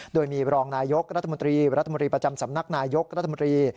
โดยมีรองนายกรัฐมนตรีรัฐมนตรีประจำสำนักนายยกรัฐมนตรี